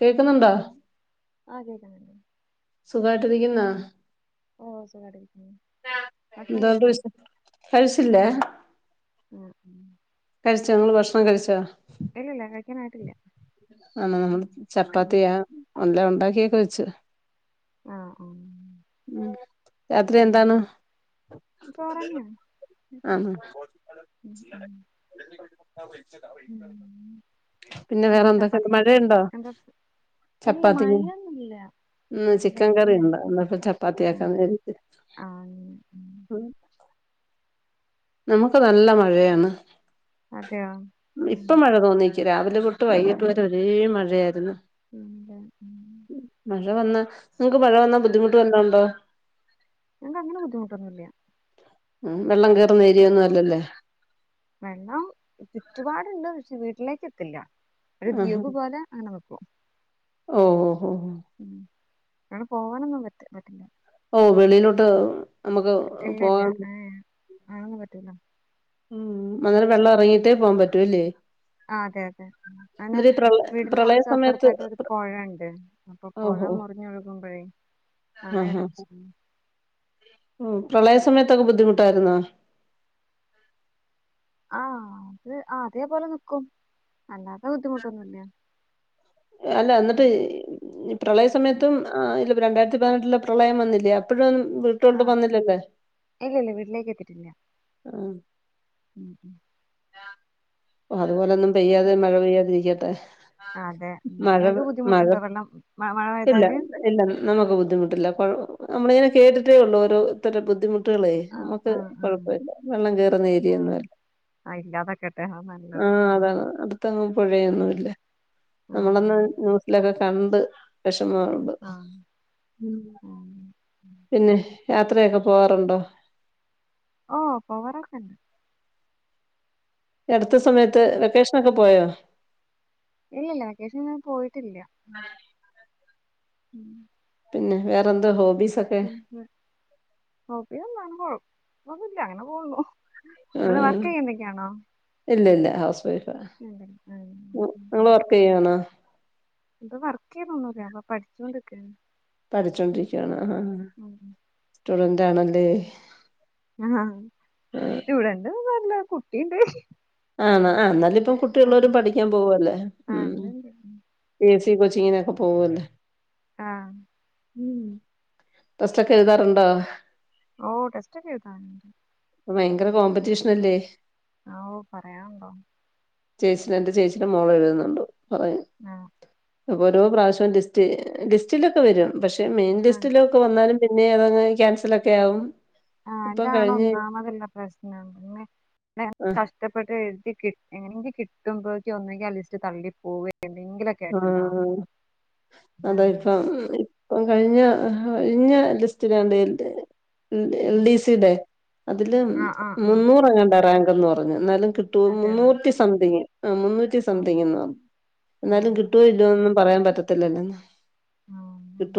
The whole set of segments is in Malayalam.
കേക്കുന്നുണ്ടോ അതെത സുഗായിട്ടിരിക്കുന്നോ ഓ സുഖായിട്ടിരിക്കുന്നു ഭക്ഷണം ന്ത കഴിച്ചോ കഴി കഴിച്ചില്ല ഉം ഉ കഴിച്ച നിങ്ങള് ഭക്ഷണം കഴിച്ചോ ഇല്ല ഇല്ല കഴിക്കാനായിട്ടില്ല ആ ഉം ചപ്പാത്തിയ അല്ല ഉണ്ടാക്കിയക്കെ വെച്ച ആഹ് ആഹ് ഉ രാത്രി ഉം എന്താണ് ചോറന്നെയാണ് ആണ ഉം ഉം ഉം പിന്നെ ഉം വേറെന്തൊ ചപ്പാത്തി എന്ത് മഴയുണ്ടോ എന്താ ഇല്ല ചപ്പാത്തി മഴയൊന്നുല്ല ഉ ചിക്കൻ കറി വെയിലന്നെയാ ഉണ്ടോ എന്നപ്പോ ചപ്പാത്തിയാക്കാ നേട്ട് ആഹ് ഉം ഉം. നമുക്ക് നല്ല മഴയാണ് അതെയോ ഉം ഇപ്പൊ മഴ തോന്നിക്ക് രാവിലെ തൊട്ട് വൈകിട്ട് വരെ ഒരേ മഴയായിരുന്നു ഉന്ത ഉ നിങ്ങക്ക്ഴ വന്നാ ബുദ്ധിമു് വന്നുണ്ടോ ഞങ്ങക്ക് അങ്ങനെ ബുദ്ധിമുട്ടൊന്നുല്ല ഉ വെള്ളങ്ക വെള്ളം ചുറ്റുപാടുണ്ട് പക്ഷേ വി ക്കത്തില്ല ആഹാ ഒരുദ്യോഗ പോലെ അങ്ങനെ ന ഓ ഓ ഓ അങ്ങണ് പോകാനൊന്നും പറ്റ ഓ വെളിയിലോട്ട് നമുക്ക് ഇല്ല ഇല്ല പോകാൻ ഏ ആണൊന്നും പറ്റൂലോ ഉം അന്നേരം വെള്ളം ഇറങ്ങിട്ട് പോകൻ പറ്റൂല്ലേ? അതെ അതെ അന വീടിന് പ്രളയ സമയത്ത് കൊറച്ചപ്പുറത്തായിട്ട് ഒരു പുഴണ്ട് അപ്പൊ പുഴ ഓഹോ മുറിഞ്ഞൊഴുകുമ്പോഴേ അങ്ങനെ ആഹാ ഒരു പ്രശ്ന തൊക്കെ ബുദ്ധിമുട്ടായിരുന്നോ? ആ അത് അതേപോലെ നിക്കും അല്ലാത്ത ബുദ്ധിമുട്ടൊന്നും ഇല്ല. അല്ല എന്നിട്ട് പ്രളയ ഉം. സമയത്തും ആ യില് രണ്ടായിരത്തി പതിനെട്ടിലെ പ്രളയം വന്നില്ലേ അപ്പഴും ആ വീട്ടോണ്ട് വന്നില്ലല്ലേ? ഇല്ല ഇല്ല വീട്ടിലേക്ക് എത്തിയിട്ടില്ല. ആ ഉം ഉം അതുപോലെ നം പെയ്യാതെ ഉം. മഴ പെയ്യാതിരിക്കട്ടെ. ആ, അതെ. ഉം. മഴ ഇങ്ങക്ക് മഴ ബുദ്ധിമുട്ടുണ്ടോ വെള്ളം മ മഴ ഇല്ല പെയ്താല്? ഇല്ല നമുക്ക് ബുദ്ധിമുട്ടില്ല കുഴ നമ്മള ഇങ്ങനെ കേട്ടിട്ടേ ഉള്ളൂ ഓരോര്ത്തരെ ബുദ്ധിമുട്ട് കളേ ആ നമ്മുക്ക് ആ ആ കുഴപ്പല്ല വെള്ളം കേയറുന്ന ആ. ഏരിയൊന്നുമല്ല. ആ ഇല്ലാതാക്കട്ടെ അതാ ആ നല്ലത്. ഉം അതാണ് അടുത്തങ്ങും ഉം. പുഴയൊന്നുല്ല. ആ നമ്മളന്ന് ന്യൂസിലൊക്ക കണ്ട് പക്ഷേ മാറണ്ട് ആ. ആ. ആ. പിന്നെ? യാത്രയൊക്കെ പോവാറുണ്ടോ? ഓ പോവാറൊക്കെണ്ട്. അടുത്ത സമയത്ത് വെക്കേഷനൊക്കെ പോയോ? ഇല്ലല്ല വെക്കേഷൻ പോയിട്ടില്ല. ഉം പിന്നെ വേറെന്താ ഹോബീസ്? [unintelligible] കുഴപ്പൊന്നൂല്ല അങ്ങനെ പോകുന്നു. ആ നിങ്ങൾ വർക്ക് ചെയ്യുന്നൊക്കെയാണോ ഇല്ല ഇല്ല ഹൗസ് വൈഫ്‌ അതെ. ഉം, നിങ്ങള് വർക്ക് ചെയ്യണോ? ഇപ്പ വർക്ക് ചെയ്തൊന്നൂല്ല അപ്പൊ പഠിച്ചോണ്ടിക്കാണ്. പഠിച്ചൊണ്ടിരിക്കാണ് ആ ആ ഉം ഉം. സ്റ്റുഡൻ ന്റാണല്ലേ? ആ ഇവിടെണ്ടൂ ല്ല കുട്ടീണ്ട് ആ ആ നല്ല ഇപ്പം കുട്ടീള്ളോരും പഠിക്കാൻ പോവല്ലേ. ആ ഉം ഉണ്ട് എസ് സി കൊച്ചിങ്ങനൊക്കെ പോവല്ലേ ആ ടെസ്റ്റൊക്കെ എഴുതാറുണ്ടോ ഓ ടെസ്റ്റക്കെ എഴുതും ഭയങ്കര കോമ്പറ്റീഷനല്ലേ ആ ഓ പറയാന്ണ്ടോ ചേച്ചി എന്റെ ചേച്ചിന്റെ മോൾ എഴുതുന്നുണ്ട് ഉം അപ്പ ഓരോ പ്രാവശ്യവും ലിസ് ലിസ്റ്റിലൊക്കെ വരും പക്ഷേ ക്ഷ മെയിൻ ആ ലിസ്റ്റിലൊക്കെ വന്നാലും പിന്നെ അതങ്ങ് ക്യാൻസൽ ഒക്കെ ആകും ആ അതാണ് ഒന്നാമതുള്ള പ്രശ്നം [unintelligible] ആഹ് കഷ്ടപ്പെട്ട് എഴുതി എങ്ങനെങ്കി കിട്ടുമ്പോഴെക്ക് ഒന്നുങകിൽ അ ലിസ്റ്റ് തള്ളി പോവേ ആ അതാ അതാണ് ഇപ്പ അ കഴിഞ്ഞ കഴിഞ്ഞ ലിസ്റ്റിലാണ്ടെ [unintelligible] എൽ ഉം. ഡി സിയടെ അതില് ആ ആ ആ മുന്നൂറെങാണ്ട റാങ്ക് ന്ന് പറഞ്ഞു എന്നാലും കിട്ടു അതെയോ മുന്നൂറ്റി സംതിങ്ങ് ആ മുന്നൂറ്റി സംതിങ് എന്നാണ് എന്നാലും കിട്ടുവ ഇല്ലിയൊന്നൊന്നും പറയാൻ പറ്റത്തില്ലല്ലോന്ന്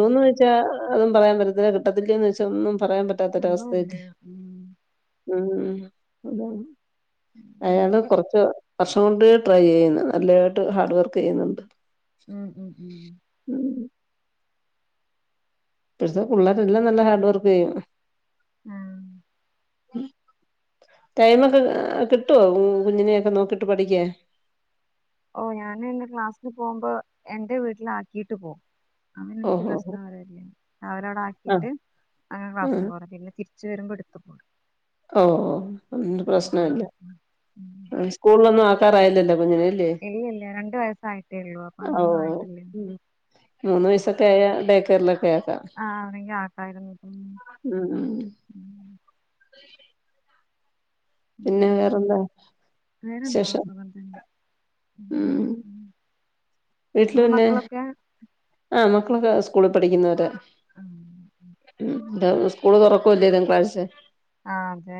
വൊന്നു യ്ച്ച അതും പറയാൻ പറ്റത്തില്ല കിട്ടത്തില്ലന്ന് വെച്ച ഒന്നും പറയാൻ പറ്റാത്തൊരവസ്ഥക്ക് ഉം ഉം ഉം ഒന്നുമില്ല. ഉം ഉം അതാണ് കൊറച്ച് വർഷം കൊണ്ടെ ട്രൈ ചെയ്യുന്ന് നല്ലതായിട്ട് ഹാർഡ്വർക്ക് ക്കെയ്യുന്നുണ്ട് ഉം ഉം ഇപ്പോഴത്തെ പിള്ളേരെല്ലാം നല്ല ഹാർഡ് വർക്ക് ചെയ്യും ഉം ടൈം ഒക്കെ കിട്ടോ കുഞ്ഞിനെയൊക്കെ നോക്കിട്ട് പഠിക്കാൻ ഓ ഞാന് പിന്നെ ക്ലാസ്സില് പോകുമ്പോ എൻറെ വീട്ടില് ആക്കീട്ട് പോവും അങ്ങനെ എനിക്ക് ഓഹോ പ്രശ്നം വരില്ല അവരവിട ആ ആക്കിയിട്ട് അങ്ങനെ ആ ക്ലാസ്സിന് പോവും പിന്നെ തിരി ച്ച് വരുമ്പോ എടുക്കും ഓ ഒ പിന്നെ പ്രശ്നല്ല ഉം ഉം. സ്കൂളിലൊന്നും ആക്കാ ആയില്ലല്ലോ ല്ലേ ഇല്ല ഇല്ല രണ്ട് വയസ്സായിട്ടേ ഉള്ളൂ അപ്പൊ അങ്ങനൊന്നും ആയിട്ടില്ല മൂന്ന് ഉം വയസൊക്കെ ആയാ ഡേ കെയറി ഉം ഉം [unintelligible] പിന്നെ ഉം വേറെന്താ ശേഷം ഉ ഉം വീട്ടില് അനെ പിന്നെ മക്കളൊക്കെ ആ മക്കളൊക്കെ സ്കൂളി പഠിക്കുന്നവരാ ഉം. ഉം ടാ ഉസ്കൂള് തൊറക്കുവല്ലേ തിങ്കളാഴ്ച ആ അതെ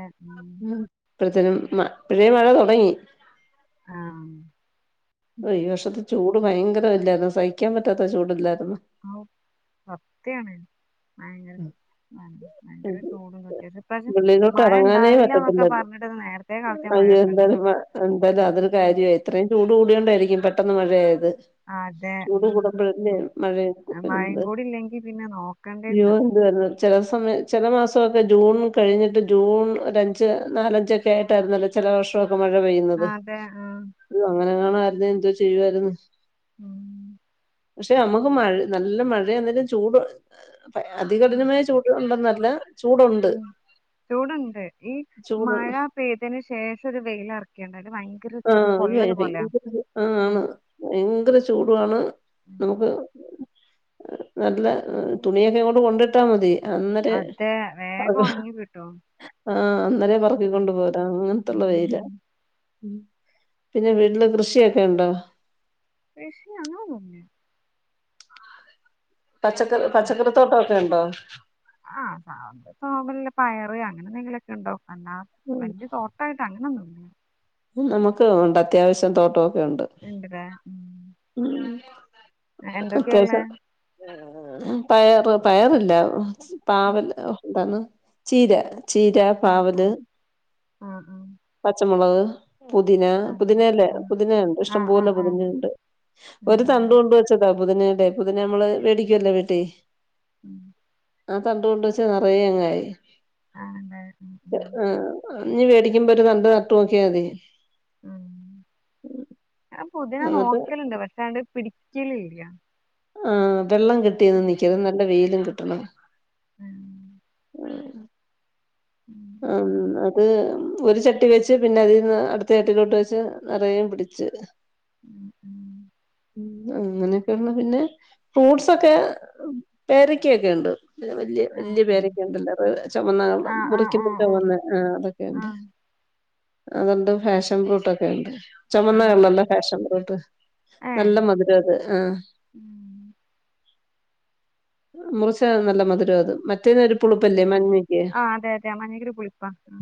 ഉം ഇപ്പഴത്തേനും മ ഇപ്പഴേ മഴ തൊടങ്ങി ആ ഓ ഈ വർഷത്തെ ചൂട് ഭയങ്കര അല്ലെ അതാ സഹിക്കാൻ പറ്റാ പ്പ ചൂടില്ല ഔ സത്യാണ് ഭയങ്കര ഭയങ്കര ചൂടു തൊക്കേയിട്ട് ഇപ്രാശ്യം വെളിയിലോട്ട് മഴ ഇറങ്ങാനേ ഇണ്ടാവില്ലന്നൊക്കെ പറ്റത്തില്ലല്ലോ പറഞ്ഞിട്ടത് നേരത്തെ കാലത്തെ അയ്യോ മഴയൊക്കെ ഇണ്ട് എന്തായാലും മ എന്തായാലും അതൊരു കാര്യമായി ഇത്രയും ചൂട് കൂടിയോണ്ടായിരിക്കും പെട്ടെന്ന് മഴയായത് ആ അതെ ഉം അല്ലേ ഉം. മഴേക്കും മഴയും വരുന്നത് കൂടി ഇല്ലെങ്കിൽ പിന്നെ നോക്കണ്ടേയില്ല [unintelligible] ചെല സമയ ചെല മാ മാസവൊക്കെ ജൂൺ കഴിഞ്ഞിട്ട് ജൂൺ ഒരഞ്ച് നാലഞ്ചൊക്കെ ആയിട്ടാരുന്നല്ലോ ചെല വർഷവൊ ആ മഴ പെയ്യുന്നത് അതെ ആ. അയ്യോഅങ്ങനെ ആണായിരുന്നേ എന്തോ ചെയ്യുവായിരുന്ന് ഉം പക്ഷെ നമുക്ക് മഴ നല്ല മഴയന്നിട്ടം ചൂട് പ ഉം. അതികഠിനമായ ചൂട് ഉണ്ടന്ന ല്ല ഉം ചൂട്ണ്ട് ഈ ചൂട് മഴ പെയ്തയ്ന് ശേഷം ഒരു വെയിലറിക്ക്യാണ്ട് അയിന് ഭയങ്കര ഒരു ആഹ് പൊള്ളല് പോലെയ ആഹ് ഉം ആണ് ഭയങ്കര ചൂടുവാണ് ഉം. നമുക്ക് നല്ല തുണിയൊക്കെ ഇങ്ങോട്ട് കൊണ്ടിട്ടാ മതി അന്നേരേ അതെ വേഗം അത് ഉണങ്ങി കിട്ടും ആഹ് അന്നേരേ ഉം. പറക്കിക്കൊണ്ട് പോരാ അങ്ങനത്തള്ള വെയ്‌ലാ ഉം. ഉം പിന്നെ വീട്ടില് കൃഷിയെക്കെ ഇണ്ടോ കൃഷി അങ്ങനൊന്നും പച്ചക്കർ പച്ചക്കറിത്തോട്ടം ക്കെണ്ടോ ആഹ് സാ [unintelligible] പയറ് അങ്ങനെ എന്തെങ്കിലൊക്കെ ഇണ്ടാവും അല്ലാ ഉം. വല്ല്യ തോട്ടായിട്ട് അങ്ങനെൊന്നും ഉം നമുക്ക് ഉണ്ട് അത്യാവശ്യം തോട്ടോം ക്കെയുണ്ട് ഉണ്ടല്ലേ ഉം. എന്തൊക്കെയാ അത്യാവശ്യ ഉള്ളെ പയറ് പയറില്ല ഉം. പാവൽ ഓഹ് എന്താന്ന് ചീര ചീര ആ ആ പാവല് ആ ആ പച്ചമുളക് പുതിന പുതിനല്ലേ പുതിനേണ്ട് ആ ആ ആ ആ ഇഷ്ടംപോലെ ആ പുതിനേണ്ട് ഒരു തണ്ട ഉം കൊണ്ട് വെച്ചതാ പുതിനേ ല്ലേ പുതിന നമ്മള് വേടിക്കുവല്ലോ വീട്ടീ ഉം ആഹ് തണ്ടുകൊണ്ട് വെച്ച നിറയെ അങ്ങായി ആഹ് ഉണ്ടായി ഉം ഉം ആ ഇനി വേടിക്കുമ്പോ ഒരു തണ്ട് നട്ട് നോക്കിയാ മതി ഉം ഞാൻ പുതിന എന്നിട്ട് നോക്കലുണ്ട് പക്ഷാണ്ട് പിടി കില ഇല്യ ആഹ് വെള്ളം കിട്ടി ഒന്നും നിക്കര്ത് നല്ല വെയില് കിട്ടണ് ഉം എഹ് ഉം ആ മ് അത് ഒരു ചട്ടി വെച്ച് പിന്നെ അതിന്ന് അടുത്ത ചട്ടിലോട്ട് വെച്ച് നിറയേം പിടിച് ഉം ഉം ഉം അങ്ങനെയൊക്കെയണ്ട് പിന്നെ ഫ്രൂട്ട്സൊക്കെ പേരക്ക ഒക്കെ ഉണ്ട് വല്യ ആ വല്യ പേരക്ക ഉണ്ടല്ലോ [unintelligible] ചുമന്നകള ആ ആ മുറി ആ ആ [unintelligible] വന്ന് ആ അതൊക്കെ ആ ഒണ്ട് അതൊണ്ട് ഫാഷൻ ഫ്രൂട്ടൊക്കെ ഒണ്ട് ആ ചുമന്നകലർലെ ഫാഷൻ ഫ്രൂട്ട് ആ ഏ നല്ല മധുരാ അത് ആഹ് ഉം മുറിച്ച നല്ല മധുരാ അത് മ മറ്റേത് ഒരു പുളുപ്പല്ലേ മഞ്ഞക്ക് മഞ്ഞക്കൊരു പുളടിപ്പാ മ്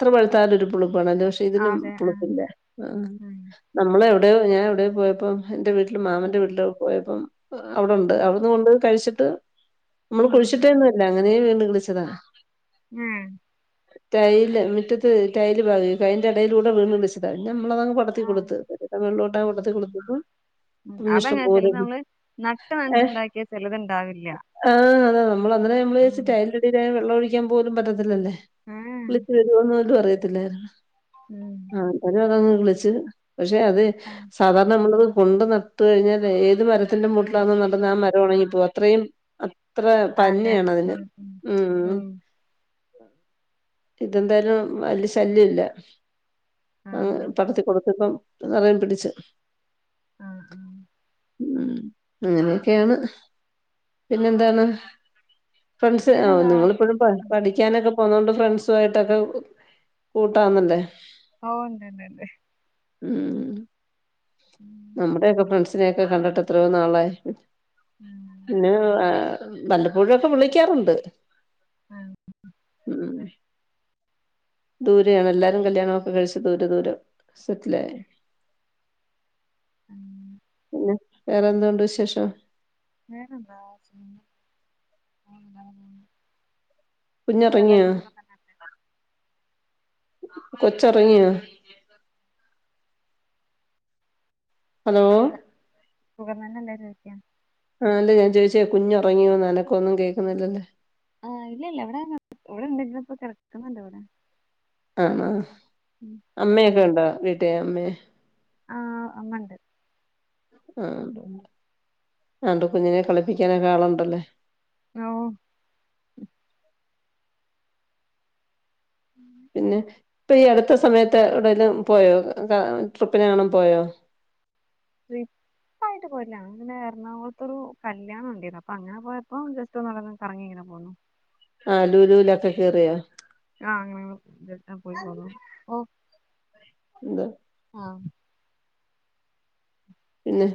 എത്ര വെളുത്താലും ഒരുപുളു പണദോഷെ ഇതിനും ആഹ് പുളുപ്പില്ല ആഹ് ഉം നമ്മളെ അറിയാവോ ഞാൻവിടെ പോയപ്പം എന്റെ വീട്ടി മാമന്റെ വീട്ടില് പോയപ്പം അവിടൊണ്ട് ഉം അവിടുന്ന് കൊണ്ട് കഴിച്ച് ത്ത് മ്മള് ഉം കുഴിച്ചിട്ടെയൊന്നും അല്ല അങ്ങനേ വീണ്ടും വിളിച്ചതാ മ് ടൈല് മുറ്റത്ത് ടൈല് പാകി അപ്പൈൻ്റെടെലൂടെ വീണ്ടും വിളിച്ചതാ നമ്മളതങ്ങ് പടത്തി ആഹ് കൊടുത്ത് മേളിലോട്ടങ്ങ് ആഹ് പടത്തി ആഹ് കൊടുത്തപ്പം ഉം പിന്നിഷ്ടം അതങ്ങനെ പോലെ ചിലത് നമ്മള് നട്ട് ഏ നനച്ചുണ്ടാക്കിയ ചിലതുണ്ടാവില്ല ആ അതാ [unintelligible] [unintelligible] [unintelligible] ഉം ഏഹ് വിളിച്ച് വരോന്ന്ങ്ങട്ട് പറിയിം പിന്നെ ഉം ആ ഇബല് പറഞ്ഞ് കുളിച്ച് പക്ഷെ അത് ആഹ് സാധാരണ നമ്മളത് കൊണ്ട് നട്ട് കഴിഞ്ഞാലേ ഏത് മര [unintelligible] മൂട്ടി ആഹ് ലൊന്ന് നടന്നാ മത് തൊടങ്ങിപ്പോവും അത്രയും അ അത്ര അതെ പഞ്ഞിയാണ് അതിന് ഉം ഉം ഇതെന്തായാലും വല്ല്യ ശല്യല്ല ആ ആഹ് പടത്തി കൊടുത്തിപ്പം നെറയെ പിടിച്ച് ആഹ് ഉം അങ്ങനെയൊക്കെയാണ് പിന്നെന്താണ്? ഫ്രണ്ട്സ് ആ പിന്നെതാ നിങ്ങളിപ്പഴും പഠിക്കാന് [unintelligible] പോന്നോണ്ട് ഫ്രണ്ട്സുവായിട്ടൊക്കെ കൂട്ടാന്നല്ലേ? ഓഹ് ഉണ്ട് ഉണ്ട് ഉണ്ട് ഉം ഉം നമ്മുടെയൊക്കെ ഫ്രണ്ട്സ് നെയൊക്കെ കണ്ടിട്ട് എത്രയോ നാളായി എ ആഹ് ങ് അ വല്ലപ്പോഴുവക്കെ വിളിക്കാറുണ്ട് ആഹ് ഉം ദൂരെയാണ് എല്ലാരും കല്യാണമൊക്കെ കഴിച്ച് ദൂരെ ദൂരെ സെറ്റിലായി ഉം പിന്നെ വേറെന്തൊണ്ട് വിശേഷം? വേറെന്താ [unintelligible] ഒന്നുല്ല അങ്ങനെ പോകുന്നു കുഞ്ഞുറങ്ങിയോ അവിടെല്ലാർക്കും സുഖംതന്നല്ലേ കൊചോറങ്ങിയ ഹലോ ത സുഖം തന്നെല്ലേന്ന് ചോയ്ക്ക അല്ലേ ഞാൻ ചോദിച്ചേ കുഞ്ഞുറങ്ങിയോ അനക്കൊന്നും കേൾക്കുന്നില്ലല്ലോ ആ ഇല്ല ഇല്ല ഇവിടെ ഇവിടെണ്ടിപ്പോ കിടക്കുന്നുണ്ടിവിടെ ആണോ അമ്മയൊക്കെ ഒണ്ടോ വീട്ടി ട്ടെ അമ്മേ ആ അങ്ങ് ഒണ്ട് ആ അതോണ്ട് കുഞ്ഞിനെ കളിപ്പിക്കാനൊക്കെ ആളുണ്ടല്ലേ ഓ പിന്നെ ഇപ്പൊ ഈ അടുത്ത സമയത്ത് എവിടെേലും പോയോ ട്രിപ്പിനങ്ങാണം പോയോ? ട്രിപ്പായിട്ട് പോയിട്ടില്ല. അങ്ങനെ എറണാകുളത്തൊരു കല്യാണം ഉണ്ടിരുന്നു അപ്പൊ അങ്ങനെ പോയപ്പോ ജസ്റ്റ് ഒന്ന് കറങ്ങി ഇങ്ങനെ പോന്നു ആ ലൂലൂലൊക്കെ കേറിയോ ആ അങ്ങനെങ്ങനെ പോയിട്ടു വന്നു ഓ എന്താ ആ പിന്നെ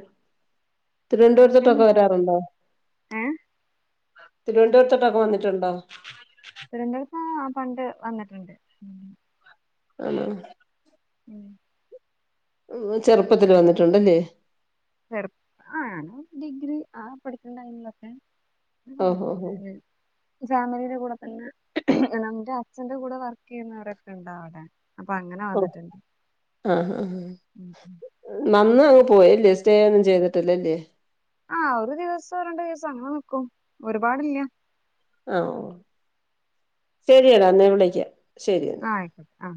ഏഹ് തിരുവനന്തപുരത്തട്ടൊക്കെ പിന്നെന്താ വരാറുണ്ടോ? ഏഹ് തിരുവനന്തപുരത്തോട്ടൊക്കെ വന്നിട്ടുണ്ടോ? ആ പണ്ട് വന്നിട്ടുണ്ട്. ആണോ ഉം ഉം ചെറുപ്പത്തില് വന്നിട്ടുണ്ടല്ലേ ചെറുപ്പം ആ ഡിഗ്രി ആ പഠിക്കണ ടൈമിലൊക്കെ ഓഹോ ഹോ വന്നിട്ടുണ്ടെന് ഫാമിലിയുടെ കൂടെ പിന്നെ എന്റെ അച്ഛന്റെ കൂടെ വർക്ക് ചെയ്യുന്നവരക്കെ ഉണ്ടവിടെ ഓ ആ ആ ഉം ഉം വന്ന പോയല്ലേ സ്റ്റേ ഒന്നും ചെയ്തിട്ടല്ലല്ലേ ആഹ ഒരു ദിവസം രണ്ടു ദിവസം അങ്ങനെ നിക്കും. ഒരുപാടില്ല ആഓ ശരി എടാ എന്നാ വിളിക്കാം ശരി ആ ആയിക്കോട്ടെ ആ